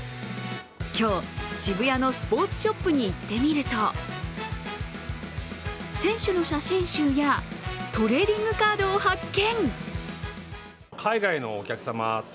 今日、渋谷のスポーツショップに行ってみると選手の写真集やトレーディングカードを発見。